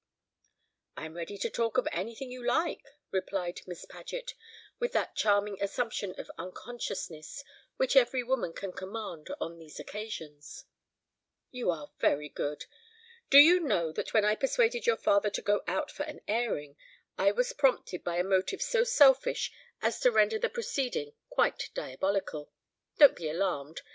"I am ready to talk of anything you like," replied Miss Paget, with that charming assumption of unconsciousness which every woman can command on these occasions. "You are very good. Do you know that when I persuaded your father to go out for an airing, I was prompted by a motive so selfish as to render the proceeding quite diabolical? Don't be alarmed!